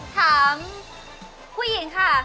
ถามผู้หญิงค่ะ